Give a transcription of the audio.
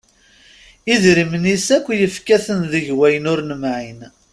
Idrimen-is akk yefka-ten deg ayen ur nemɛin.